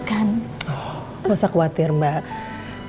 jangan khawatir mbak